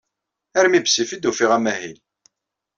Armi bessif i d-ufiɣ amahil.